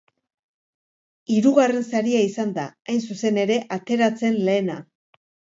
Hirugarren saria izan da, hain zuzen ere, ateratzen lehena.